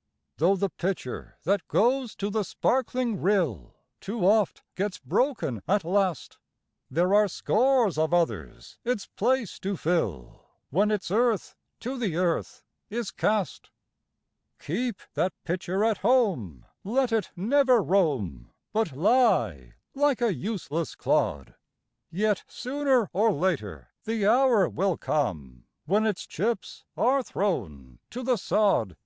ö Though the pitcher that goes to the sparkling rill Too oft gets broken at last, There are scores of others its place to fill When its earth to the earth is cast; Keep that pitcher at home, let it never roam, But lie like a useless clod, Yet sooner or later the hour will come When its chips are thrown to the sod.